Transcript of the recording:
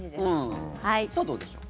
さあどうでしょう。